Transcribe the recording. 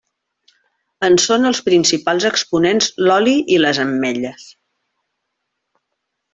En són els principals exponents l'oli i les ametlles.